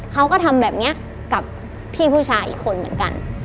เขาก็ทำแบบนี้กับพี่ผู้ชายอีกคนเหมือนกัน